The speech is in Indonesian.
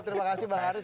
terima kasih bang haris